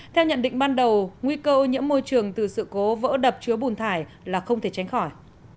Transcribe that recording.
theo nhận định ban đầu nguy cơ ô nhiễm môi trường từ sự cố vỡ đập chứa bùn thải là không thể tránh khỏi